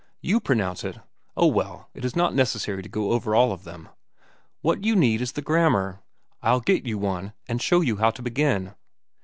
You pronounce it—oh, well, it is not necessary to go over all of them. What you need is the grammar. I'll get one and show you how to begin."